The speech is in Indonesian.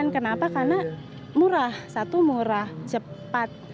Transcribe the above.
kenapa karena murah satu murah cepat